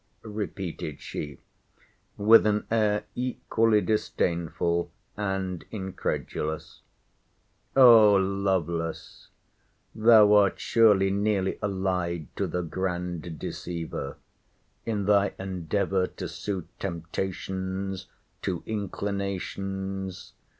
repeated she, with an air equally disdainful and incredulous. O Lovelace, thou art surely nearly allied to the grand deceiver, in thy endeavour to suit temptations to inclinations?